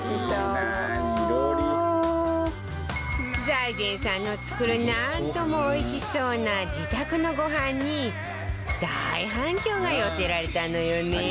財前さんの作るなんとも美味しそうな自宅のごはんに大反響が寄せられたのよね！